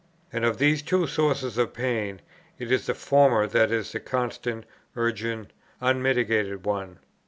And of these two sources of pain it is the former that is the constant, urgent, unmitigated one.